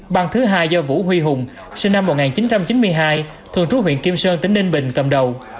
băng thứ hai do vũ huy hùng sinh năm một nghìn chín trăm chín mươi hai thường trú huyện kim sơn tỉnh ninh bình cầm đầu